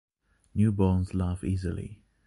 Newborns laugh easily.